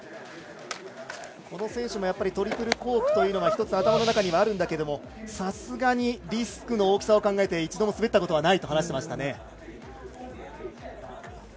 この選手もトリプルコークというのが頭の中にはあるんだけどもさすがにリスクの大きさを考えて一度も滑ったことはないと話していましたね。